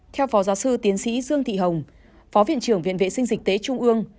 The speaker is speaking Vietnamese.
theo phó giáo sư tiến sĩ dương thị hồng phó viện trưởng viện vệ sinh dịch tế trung ương